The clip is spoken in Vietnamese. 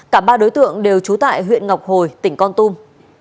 cả ba đối tượng đều trú tại huyện ngọc hồi tỉnh con tum